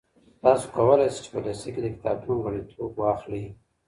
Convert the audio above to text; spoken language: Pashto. تاسو کولای سئ چي په لېسه کي د کتابتون غړیتوب واخلئ.